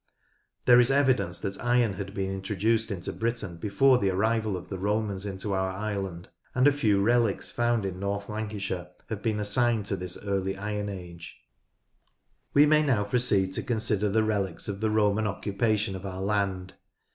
There is evidence that iron had been introduced into Britain before the arrival of the Romans into our island, and a few relics found in North Lancashire have been assigned to this Early Iron Age. ANTIQUITIES 117 We may now proceed to consider the relics of the Roman occupation of our land.